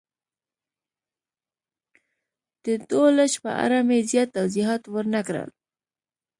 د دولچ په اړه مې زیات توضیحات ور نه کړل.